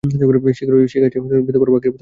শীঘ্রই সেই গাছটি বিধবার ভাগ্যের মতো মরে গেল।